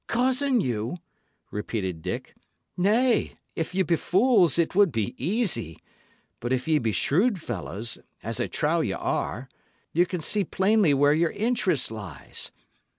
"Cozen you!" repeated Dick. "Nay, if ye be fools, it would be easy. But if ye be shrewd fellows, as I trow ye are, ye can see plainly where your interest lies.